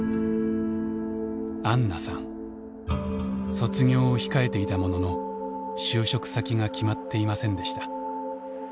卒業を控えていたものの就職先が決まっていませんでした。